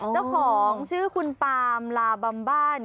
เจ้าของชื่อคุณปามลาบำบ้า